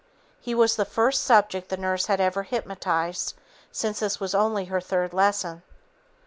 He was the first subject the nurse had ever hypnotized, since this was only her third lesson.